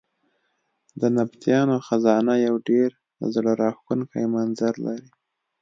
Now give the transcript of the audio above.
د نبطیانو خزانه یو ډېر زړه راښکونکی منظر لري.